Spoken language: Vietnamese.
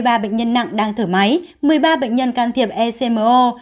ba trăm ba mươi ba bệnh nhân nặng đang thở máy một mươi ba bệnh nhân can thiệp ecmo